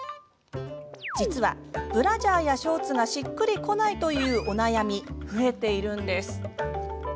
実はブラジャーやショーツがしっくりこないというお悩み増えているんです。